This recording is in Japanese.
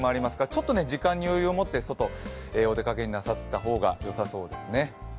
ちょっと時間に余裕をもってお出かけなさった方がよさそうですね。